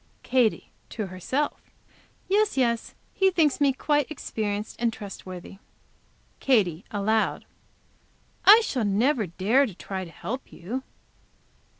Katy, to herself. "Yes, yes, he thinks me quite experienced and trustworthy." Katy, aloud. "I shall never dare to try to help you."